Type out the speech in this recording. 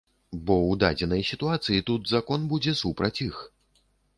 Бо ў дадзенай сітуацыі тут закон будзе супраць іх.